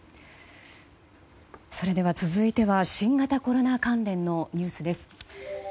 それでは、続いては新型コロナ関連のニュースです。